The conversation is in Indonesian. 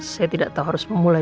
saya tidak tahu harus memulai